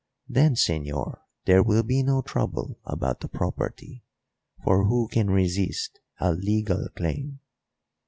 Then, señor, there will be no trouble about the property; for who can resist a legal claim?"